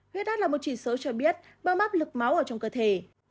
huyết áp là một chỉ số cho biết bao áp lực máu ở trong cơ thể